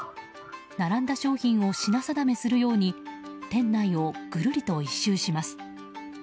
並んだ商品を品定めするように店内をぐるりと１周します。